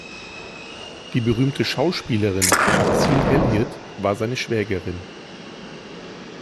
Die berühmte Schauspielerin Maxine Elliott war seine Schwägerin.